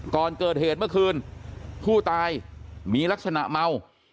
ก่อนเกิดเหตุเมื่อคืนผู้ตายมีลักษณะเมา